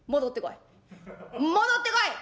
戻ってこい。